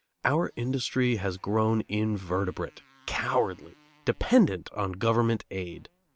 Our industry has grown invertebrate, cowardly, dependent on government aid.